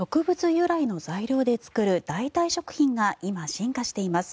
由来の材料で作る代替食品が今、進化しています。